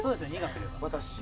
私。